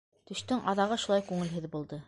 Төштөң аҙағы шулай күңелһеҙ булды.